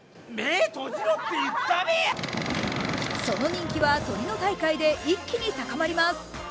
その人気はトリノ大会で一気に高まります。